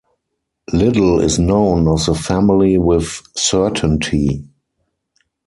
Little is known of the family with certainty.